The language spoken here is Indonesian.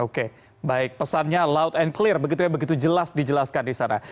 oke baik pesannya loud and clear begitu ya begitu jelas dijelaskan di sana